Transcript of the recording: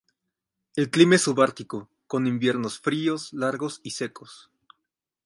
El clima es subártico, con inviernos fríos, largos y secos.